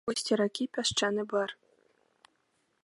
У вусці ракі пясчаны бар.